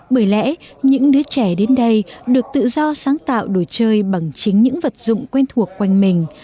bởi lẽ những đứa trẻ đến đây được tự do sáng tạo đồ chơi bằng chính những vật dụng quen thuộc quanh mình